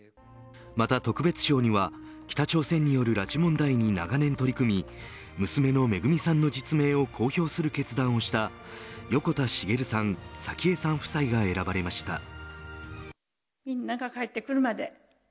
また特別賞には北朝鮮による拉致問題に長年取り組み娘のめぐみさんの実名を公表する決断をした横田滋さん、早紀江さん夫妻が選ばれました。